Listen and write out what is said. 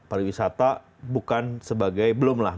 pariwisata bukan sebagai belum lah